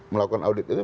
melakukan audit itu